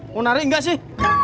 mau nari gak sih